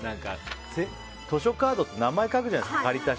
図書カードって名前書くじゃないですか。